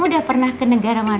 jadi kita salah enggak diseases